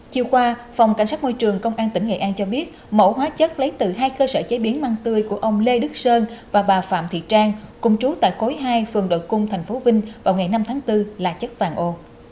chiều qua phòng cảnh sát môi trường công an tỉnh nghệ an cho biết mẫu hóa chất lấy từ hai cơ sở chế biến măng tươi của ông lê đức sơn và bà phạm thị trang cùng chú tại khối hai phường đội cung tp vinh vào ngày năm tháng bốn là chất vàng ô